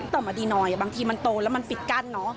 ต่อมาดีหน่อยบางทีมันโตแล้วมันปิดกั้นเนอะ